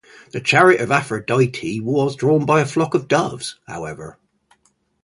The chariot of Aphrodite was drawn by a flock of doves, however.